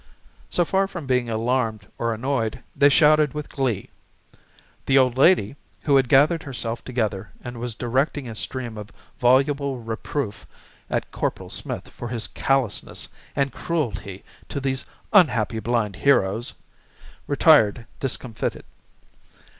So far from being alarmed or annoyed, they shouted with glee. The old lady, who had gathered herself together and was directing a stream of voluble reproof at Corporal Smith for his "callousness and cruelty to these unhappy blind heroes," retired discomfited.